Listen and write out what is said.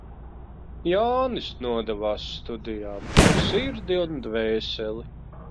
Jānis nodevās studijām ar sirdi un dvēseli.